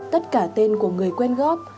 tất cả tên của người quên góp